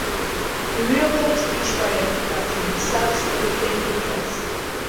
The Rehoboth Beach Fire Department serves Henlopen Acres.